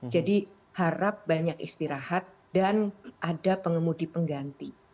jadi harap banyak istirahat dan ada pengemudi pengganti